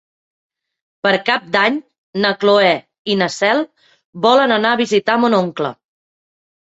Per Cap d'Any na Cloè i na Cel volen anar a visitar mon oncle.